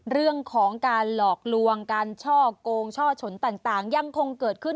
เรื่องของการหลอกลวงการช่อกงช่อฉนต่างยังคงเกิดขึ้น